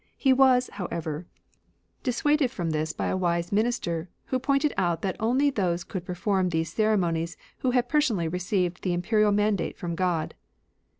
He was, however, dissuaded from this by a wise 25 RELIGIONS OP ANCIENT CHINA Mimster, who pointed out that only those could perform these ceremonies who had personally received the Imperial mandate from Grod.